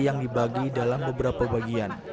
yang dibagi dalam beberapa bagian